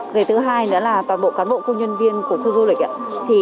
cái thứ hai nữa là toàn bộ cán bộ khu nhân viên của khu du lịch